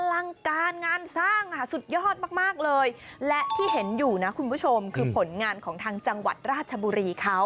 ลังการงานสร้างสุดยอดมากเลยและที่เห็นอยู่นะคุณผู้ชมคือผลงานของทางจังหวัดราชบุรีเขา